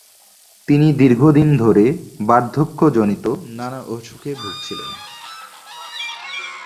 তিনি দীর্ঘদিন ধরে বার্ধক্যজনিত নানা অসুখে ভুগছিলেন।